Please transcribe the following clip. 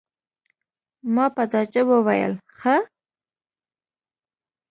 ما په تعجب وویل: ښه!